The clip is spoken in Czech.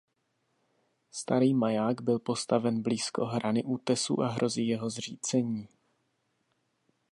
Starý maják byl postaven blízko hrany útesu a hrozí jeho zřícení.